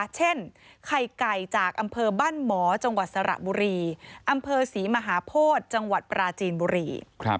เช่นไข่ไก่จากอำเภอบ้านหมอจังหวัดสระบุรีอำเภอศรีมหาโพธิจังหวัดปราจีนบุรี